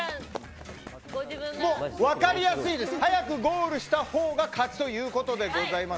分かりやすいです早くゴールした方が勝ちということです。